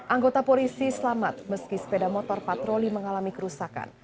anggota polisi selamat meski sepeda motor patroli mengalami kerusakan